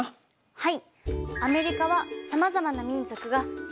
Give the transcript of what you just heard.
はい。